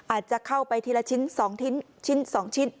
อาจจะเข้าไปทีละชิ้นสองชิ้นชิ้นสองชิ้น